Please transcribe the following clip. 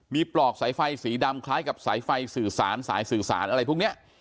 มีปลอกสายไฟสีดำคล้ายกับสายไฟสื่อสารสายสื่อสารอะไรพวกนี้